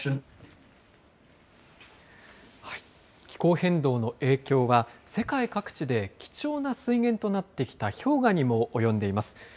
気候変動の影響は、世界各地で貴重な水源となってきた氷河にも及んでいます。